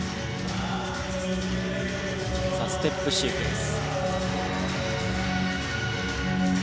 さあステップシークエンス。